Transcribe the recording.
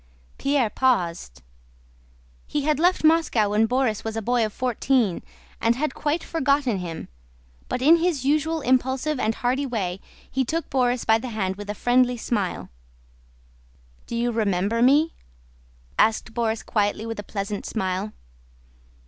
Pierre paused. He had left Moscow when Borís was a boy of fourteen, and had quite forgotten him, but in his usual impulsive and hearty way he took Borís by the hand with a friendly smile. "Do you remember me?" asked Borís quietly with a pleasant smile.